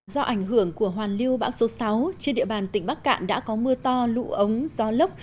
do ảnh hưởng của hoàn lưu bão số sáu trên địa bàn tỉnh bắc cạn đã có mưa to lụ ống gió lốc